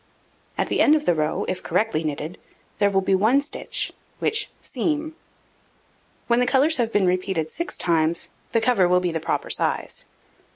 At the end of the row, if correctly knitted, there will be 1 stitch, which seam. When the colours have been repeated 6 times, the cover will be the proper size.